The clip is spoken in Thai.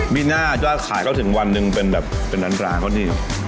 ไม่น่าจะขายเข้าถึงวันหนึ่งเป็นแบบเป็นน้ำร้านเขาที่นี่